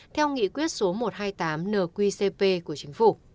theo nghị quyết số một trăm hai mươi tám nqcp